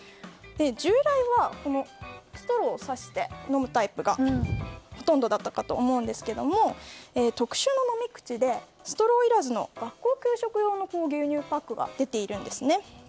従来はストローを挿して飲むタイプがほとんどだったかと思いますが特殊な飲み口でストローいらずの学校給食用の牛乳パックが出ているんですね。